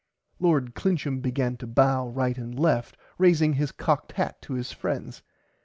Lord Clincham began to bow right and left raising his cocked hat to his friends.